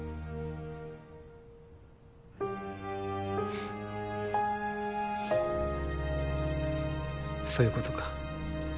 ふっそういうことか。